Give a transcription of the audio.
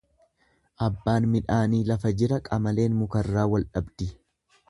Abbaan midhaanii lafa jira qamaleen mukarraa wal dhabdi.